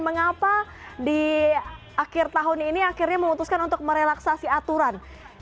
mengapa di akhir tahun ini akhirnya memutuskan untuk merelaksasi aturan